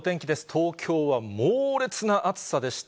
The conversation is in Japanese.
東京は猛烈な暑さでした。